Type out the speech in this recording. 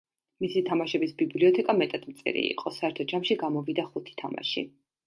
მისი თამაშების ბიბლიოთეკა მეტად მწირი იყო, საერთო ჯამში გამოვიდა ხუთი თამაში.